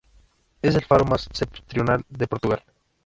Es el faro más septentrional de Portugal.